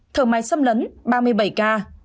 thở máy xâm lấn ba mươi bảy ca